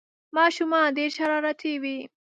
ماشومان ډېر شرارتي وي